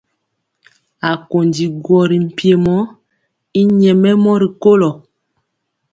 Akondi guɔ ri mpiemɔ y nyɛmemɔ rikolo.